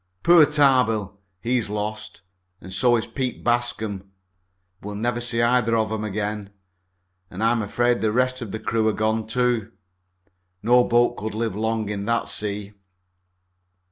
Poor Tarbill, he's lost, and so is Pete Bascom. We'll never see either of 'em again. And I'm afraid the rest of the crew are gone, too. No boat could live long in that sea."